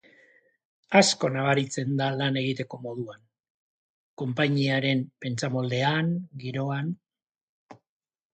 Asko nabaritzen da lan egiteko moduan, konpainiaren pentsamoldean, giroan.